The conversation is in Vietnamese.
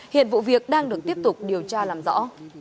hiện vụ việc đang được tiếp tục điều tra làm rõ